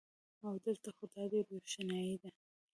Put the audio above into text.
او د لته خو دادی روښنایې ده